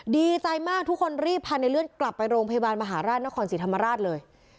ดีใจมากทุกคนรีบพาในเลื่อนกลับไปโรงพยาบาลมหาราชนครศรีธรรมราชเลย